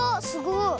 すごい。